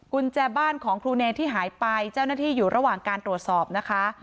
กุญแจบ้านของครูเนที่หายไปเจ้าหน้าที่อยู่ระหว่างการตรวจสอบนะคะ